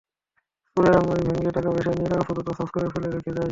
চোরেরা আলমারি ভেঙে টাকাপয়সা নিয়ে কাগজপত্র তছনছ করে ফেলে রেখে যায়।